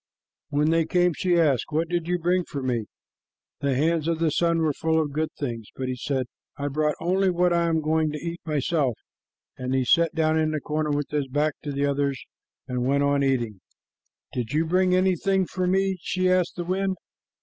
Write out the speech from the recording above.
When they came, she asked, "What did you bring for me?" The hands of the sun were full of good things, but he said, "I brought only what I am going to eat myself," and he sat down in a corner with his back to the others, and went on eating. "Did you bring anything for me?" she asked the wind.